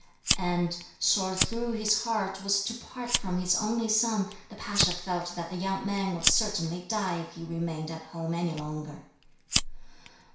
And, sore though his heart was to part from his only son, the pasha felt that the young man would certainly die if he remained at home any longer.